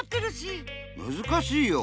むずかしいよ。